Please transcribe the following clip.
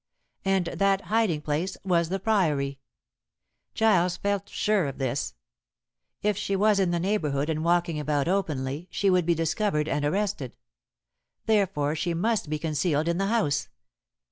And that hiding place was the Priory. Giles felt sure of this. If she was in the neighborhood and walking about openly, she would be discovered and arrested. Therefore she must be concealed in the house.